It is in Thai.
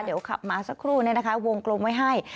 เดี๋ยวขับมาสักครู่วงกลมไว้ให้